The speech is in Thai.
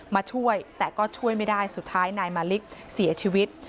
มาช่วยแต่ก็ช่วยไม่ได้สุดท้ายนายมาลิกเสียชีวิต